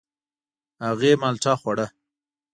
هغې مالټه خوړه.